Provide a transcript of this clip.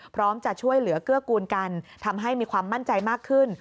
พร้อมจะช่วยเหลือเกื้อกูลกันทำให้มีความมั่นใจมากขึ้น